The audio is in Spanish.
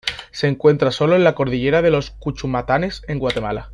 Se encuentra sólo en la cordillera de los Cuchumatanes en Guatemala.